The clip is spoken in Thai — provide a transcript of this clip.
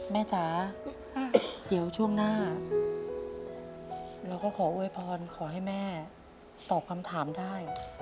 จ๋าเดี๋ยวช่วงหน้าเราก็ขอโวยพรขอให้แม่ตอบคำถามได้